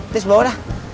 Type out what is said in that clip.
tis bawa dah